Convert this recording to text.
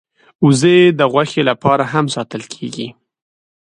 وزې د غوښې لپاره هم ساتل کېږي